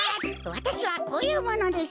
わたしはこういうものです。